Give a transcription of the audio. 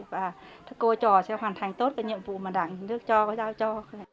và cơ trò sẽ hoàn thành tốt cái nhiệm vụ mà đảng nước cho giao cho